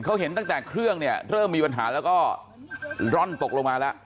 เขาเห็นตั้งแต่เครื่องเนี่ยเริ่มมีปัญหาแล้วก็ร่อนตกลงมาแล้ว